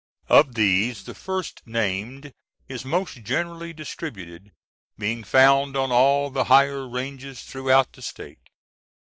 Of these the first named is most generally distributed, being found on all the higher ranges throughout the State.